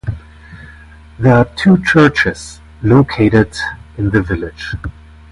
There are two churches located in the village.